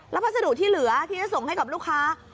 พัสดุที่เหลือที่จะส่งให้กับลูกค้า